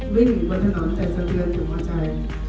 วิ่งอยู่บนถนนใจสะเตือนอยู่หัวใจ